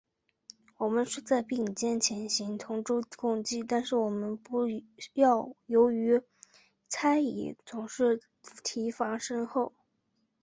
我们是在并肩前行，同舟共济，但是我们不要由于猜疑，总要提防身后。